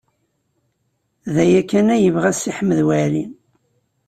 D aya kan ay yebɣa Si Ḥmed Waɛli.